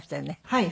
はい。